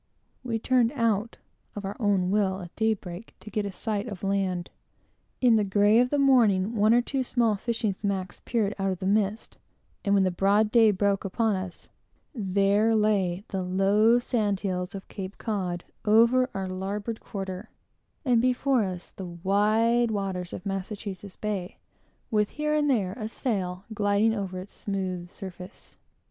We turned out, of our own will, at daybreak, to get a sight of land. In the grey of the morning, one or two small fishing smacks peered out of the mist; and when the broad day broke upon us, there lay the low sand hills of Cape Cod, over our larboard quarter, and before us, the wide waters of Massachusetts Bay, with here and there a sail gliding over its smooth surface.